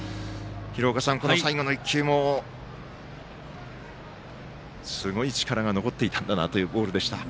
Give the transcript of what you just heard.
廣岡さん、最後の１球もすごい力が残っていたんだなというボールでした。